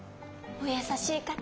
お優しい方。